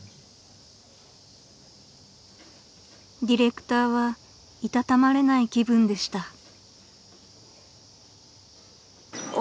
［ディレクターは居たたまれない気分でした］